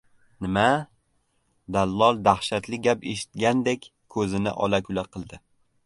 — Nima? — dallol dahshatli gap eshitgandek ko‘zini ola-kula qildi.